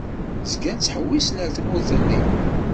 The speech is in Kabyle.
Zgan ttḥewwisen ar tmurt-nni.